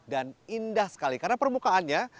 dan indah sekali karena permukaannya